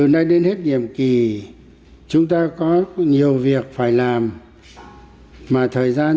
năm hai nghìn hai mươi bốn tổng bí thư lưu ý đảng ủy công an trung ương cần tiếp tục đẩy mạnh công tác xây dựng